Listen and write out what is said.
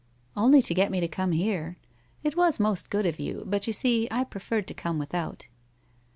' Only to get me to come here. It was most good of you, but you see, I preferred to come without.'